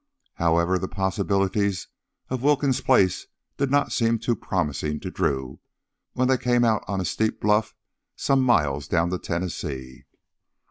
However, the possibilities of Wilkins' "place" did not seem too promising to Drew when they came out on a steep bluff some miles down the Tennessee.